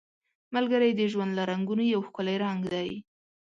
ملګری د ژوند له رنګونو یو ښکلی رنګ دی